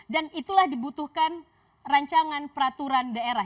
dan itulah dibutuhkan rancangan peraturan daerah